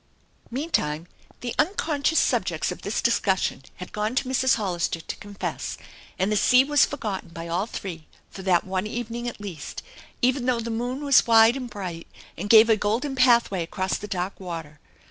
Meantime the unconscious subjects of this discussion had <*one to Mrs. Hollister to confess, and the sea was forgotten by all three for that one evening at least, even though the moon was wide and bright and gave a golden pathway across the dark water.